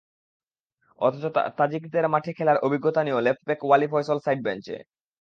অথচ তাজিকদের মাঠে খেলার অভিজ্ঞতা নিয়েও লেফটব্যাক ওয়ালী ফয়সাল সাইড বেঞ্চে।